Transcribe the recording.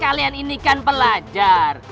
kalian ini kan pelajar